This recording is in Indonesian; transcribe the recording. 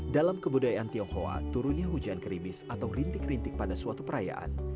dalam kebudayaan tionghoa turunnya hujan keribis atau rintik rintik pada suatu perayaan